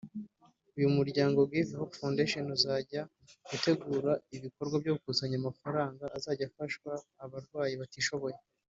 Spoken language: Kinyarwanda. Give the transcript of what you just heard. uyu muryango ‘Give Hope Foundation’ uzajya utegura ibikorwa byo gukusanya amafaranga azajya afasha abarwayi batishoboye